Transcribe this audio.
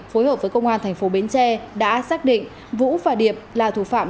phối hợp với công an thành phố bến tre đã xác định vũ và điệp là thủ phạm